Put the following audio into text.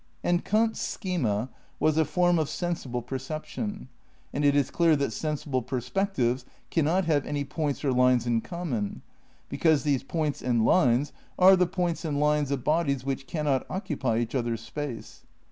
And Kant's schema was a form of sensible percep tion; and it is clear that sensible perspectives cannot bave any points or lines in common, because tbese points and lines are tbe points and lines of bodies wbicb cannot occupy eacb otber 's space.